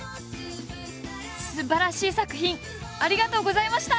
すばらしい作品ありがとうございました！